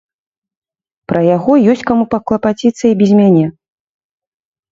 Пра яго ёсць каму паклапаціцца і без мяне.